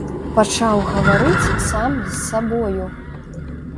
Пачаў гаварыць сам з сабою.